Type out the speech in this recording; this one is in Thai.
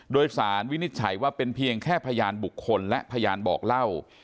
โดยสารวินิจฉัยว่าเป็นเพียงแค่พยานบุคคลและพยานบอกเล่า